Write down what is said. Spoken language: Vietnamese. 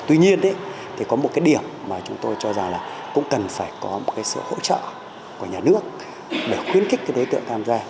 tuy nhiên thì có một cái điểm mà chúng tôi cho ra là cũng cần phải có một cái sự hỗ trợ của nhà nước để khuyến khích cái đối tượng tham gia